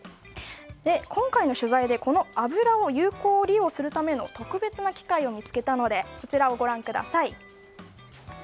今回の取材でこの油を有効利用するための特別な機械を見つけたのでご覧ください。